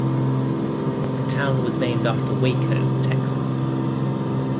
The town was named after Waco, Texas.